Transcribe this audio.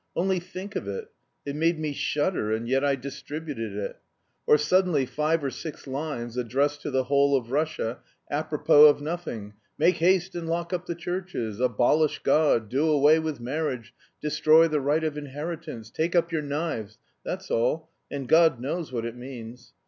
Only think of it! It made me shudder, and yet I distributed it. Or suddenly five or six lines addressed to the whole of Russia, apropos of nothing, 'Make haste and lock up the churches, abolish God, do away with marriage, destroy the right of inheritance, take up your knives,' that's all, and God knows what it means.